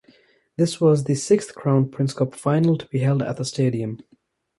This was the sixth Crown Prince Cup final to be held at the stadium.